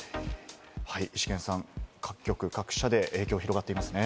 イシケンさん、各局・各社で影響が広がってますね。